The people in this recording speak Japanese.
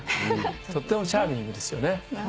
とってもチャーミングですよね。